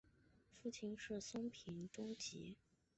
父亲是松平忠吉。